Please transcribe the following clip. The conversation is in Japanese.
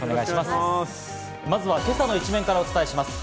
まずは今朝の一面からお伝えします。